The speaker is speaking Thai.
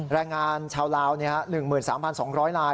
แรงงานชาวลาว๑๓๒๐๐ลาย